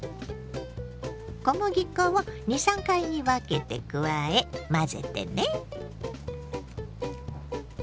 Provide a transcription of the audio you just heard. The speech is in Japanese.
小麦粉を２３回に分けて加え混ぜてね。